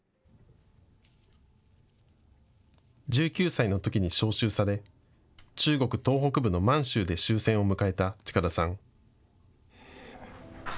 １９歳のときに召集され中国東北部の満州で終戦を迎えた近田さん。